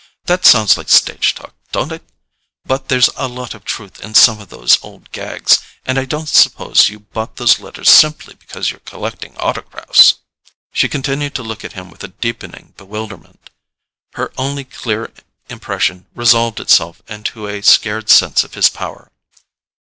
That sounds like stage talk, don't it?—but there's a lot of truth in some of those old gags; and I don't suppose you bought those letters simply because you're collecting autographs." She continued to look at him with a deepening bewilderment: her only clear impression resolved itself into a scared sense of his power.